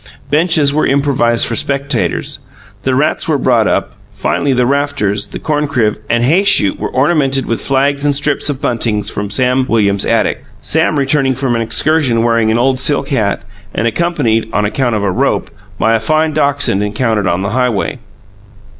Benches were improvised for spectators; the rats were brought up; finally the rafters, corn crib, and hay chute were ornamented with flags and strips of bunting from Sam Williams' attic, Sam returning from the excursion wearing an old silk hat, and accompanied (on account of a rope) by a fine dachshund encountered on the highway.